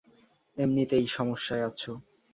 এমনিতেই সমস্যায় আছো।